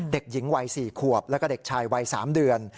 เด็กหญิงวัย๔ขวบแล้วก็เด็กชายวัย๓เดือน